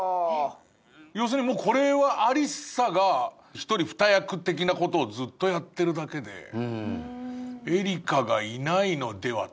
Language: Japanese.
要するにこれはアリサが一人二役的なことをずっとやってるだけでエリカがいないのではと。